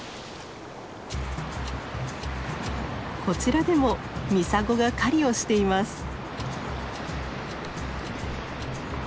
こちらでもミサゴが狩りをしています。